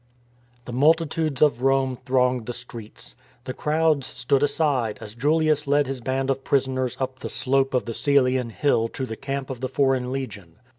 The multitudes of Rome thronged the streets. The crowds stood aside as Julius led his band of prisoners up the slope of the Cselian Hill to the Camp of the Foreign Legion.